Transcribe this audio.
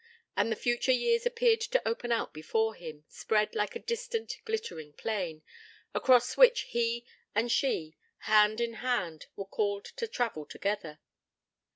And the future years appeared to open out before him, spread like a distant, glittering plain, across which, he and she, hand in hand, were called to travel together....